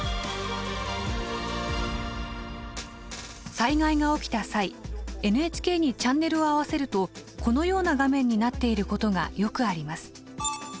災害が起きた際ＮＨＫにチャンネルを合わせるとこのような画面になっていることがよくあります。